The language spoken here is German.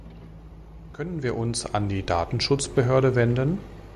Können wir uns an die Datenschutzbehörde wenden?